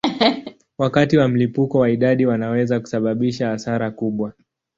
Wakati wa mlipuko wa idadi wanaweza kusababisha hasara kubwa.